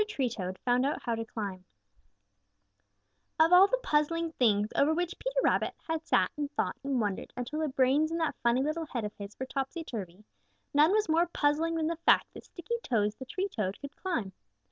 TREE TOAD FOUND OUT HOW TO CLIMB Of all the puzzling things over which Peter Rabbit had sat and thought and wondered until the brains in that funny little head of his were topsy turvy, none was more puzzling than the fact that Sticky toes the Tree Toad could climb.